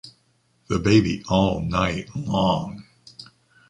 The baby all night long.